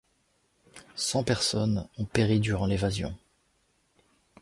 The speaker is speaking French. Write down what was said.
Cent personnes ont péri durant l'évasion.